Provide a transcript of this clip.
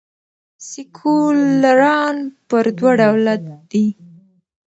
سیکولران پر دوه ډوله دي.